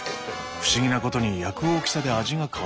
不思議なことに焼く大きさで味が変わる。